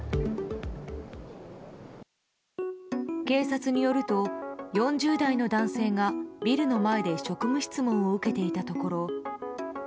警察によると４０代の男性がビルの前で職務質問を受けていたところ。